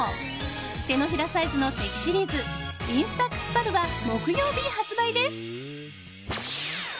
手のひらサイズのチェキシリーズＩＮＳＴＡＸＰａｌは木曜日発売です。